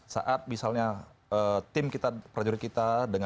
saat misalnya tim kita prajurit kita